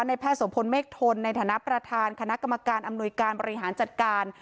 แพทย์สมพลเมฆทนในฐานะประธานคณะกรรมการอำนวยการบริหารจัดการ